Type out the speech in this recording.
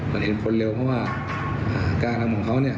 มันเห็นผลเร็วเพราะว่าอ่าการนำหุ่นเขาเนี่ย